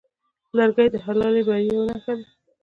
لرګی د حلالې بریاوې نښه ده.